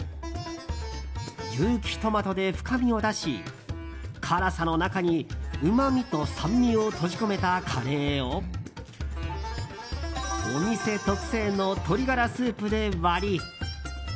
有機トマトで深みを出し辛さの中にうまみと酸味を閉じ込めたカレーをお店特製の鶏ガラスープで割り。